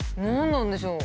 何なんでしょう？